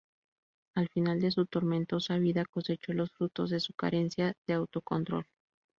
Al final de su tormentosa vida cosechó los frutos de su carencia de autocontrol.